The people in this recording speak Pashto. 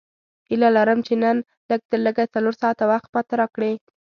هیله لرم چې نن لږ تر لږه څلور ساعته وخت ماته راکړې.